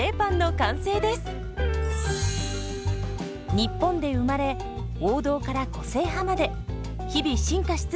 日本で生まれ王道から個性派まで日々進化し続けるカレーパン。